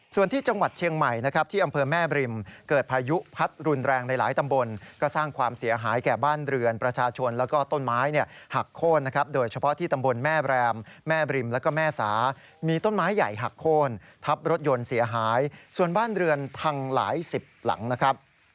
ส่วนที่จังหวัดเชียงใหม่นะครับที่อำเภอแม่บริมเกิดพายุพัดรุนแรงในหลายตำบลก็สร้างความเสียหายแก่บ้านเรือนประชาชนแล้วก็ต้นไม้เนี่ยหักโค้นนะครับโดยเฉพาะที่ตำบลแม่แรมแม่บริมแล้วก็แม่สามีต้นไม้ใหญ่หักโค้นทับรถยนต์เสียหายส่วนบ้านเรือนพังหลายสิบหลังนะครับ